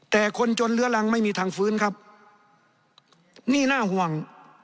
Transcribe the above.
แต่คนจนเลื้อรังไม่มีทางฟื้นครับนี่น่าห่วง